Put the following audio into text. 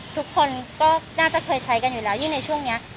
ทุกคนก็น่าจะเคยใช้กันอยู่แล้วยิ่งในช่วงนี้